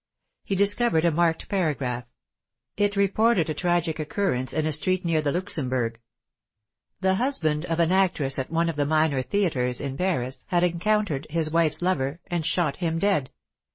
He discovered a marked paragraph. It reported a tragic occurrence in a street near the Luxembourg. The husband of an actress at one of the minor theatres in Paris had encountered his wife's lover, and shot him dead.